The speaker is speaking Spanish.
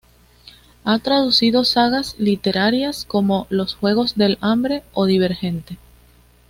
Ha traducido sagas literarias como "Los juegos del hambre" o "Divergente".